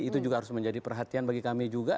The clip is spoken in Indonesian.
itu juga harus menjadi perhatian bagi kami juga